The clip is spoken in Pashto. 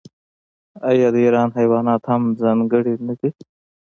آیا د ایران حیوانات هم ځانګړي نه دي؟